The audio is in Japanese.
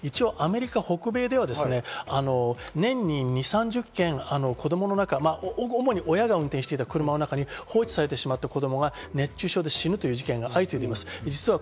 一応、アメリカ、北米では年に２０３０件、子供の、主に親が運転していた車の中に放置されていた子供が熱中症で死ぬという事件が相次いでいます。